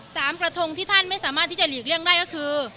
กระทงที่ท่านไม่สามารถที่จะหลีกเลี่ยงได้ก็คือ